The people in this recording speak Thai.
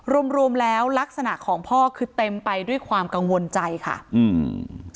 รวมรวมแล้วลักษณะของพ่อคือเต็มไปด้วยความกังวลใจค่ะอืม